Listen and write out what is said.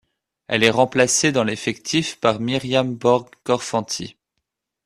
Elle est remplacée dans l'effectif par Myriam Borg-Korfanty.